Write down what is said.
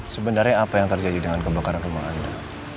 sebenarnya apa yang terjadi dengan kebakaran rumah anda